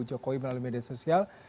di kubu jokowi melalui media sosial